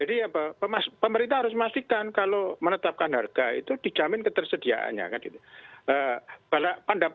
jadi pemerintah harus memastikan kalau menetapkan harga itu dijamin ketersediaannya